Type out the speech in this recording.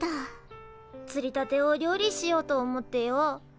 つりたてを料理しようと思ってよ。